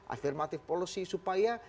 afirmatif polosi supaya